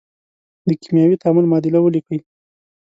د کیمیاوي تعامل معادله ولیکئ.